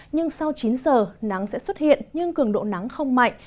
nhưng sau chín giờ nắng sẽ xuất hiện nhưng cường độ nắng không mạnh